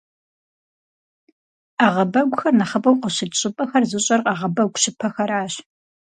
Ӏэгъэбэгухэр нэхъыбэу къыщыкӀ щӏыпӏэхэр зыщӀэр Ӏэгъэбэгу щыпэхэращ.